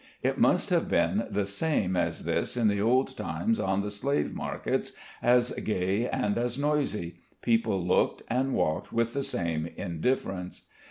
It must have been the same as this in the old times on the slave markets, as gay and as noisy; people looked and walked with the same indifference.